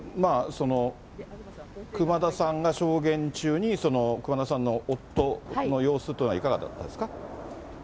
熊田さんが証言中に、熊田さんの夫の様子というのは、いかがだったんですか？